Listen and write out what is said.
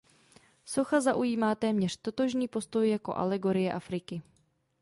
Socha zaujímá téměř totožný postoj jako alegorie Afriky.